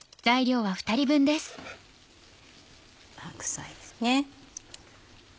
白菜ですね。